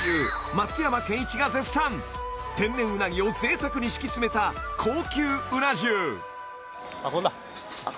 松山ケンイチが絶賛天然うなぎを贅沢に敷き詰めた高級うな重ここだあっ